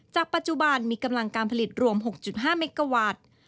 ปัจจุบันมีกำลังการผลิตรวม๖๕เมกาวัตต์